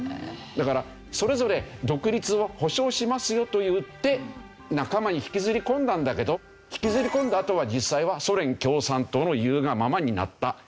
だからそれぞれ独立は保障しますよといって仲間に引きずり込んだんだけど引きずり込んだあとは実際はソ連共産党の言うがままになった。